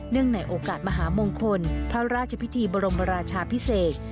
ในโอกาสมหามงคลพระราชพิธีบรมราชาพิเศษ